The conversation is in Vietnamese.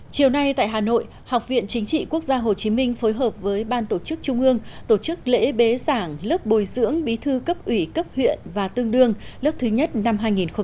chiều nay tại hà nội học viện chính trị quốc gia hồ chí minh phối hợp với ban tổ chức trung ương tổ chức lễ bế giảng lớp bồi dưỡng bí thư cấp ủy cấp huyện và tương đương lớp thứ nhất năm hai nghìn một mươi chín